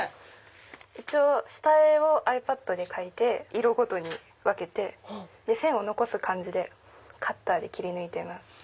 一応下絵をｉＰａｄで描いて色ごとに分けて線を残す感じでカッターで切り抜いてます。